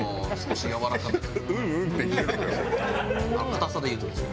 硬さでいうとです。